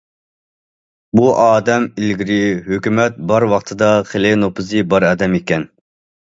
بۇ ئادەم ئىلگىرى ھۆكۈمەت بار ۋاقتىدا خېلى نوپۇزى بار ئادەم ئىكەن.